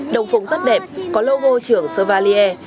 đồng phục rất đẹp có logo trưởng servalier